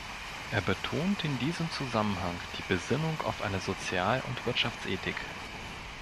Er betont in diesem Zusammenhang die Besinnung auf eine Sozial- und Wirtschaftsethik.